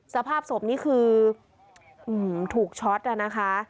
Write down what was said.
สภาพศพนี่คือถูกช็อตนะคะ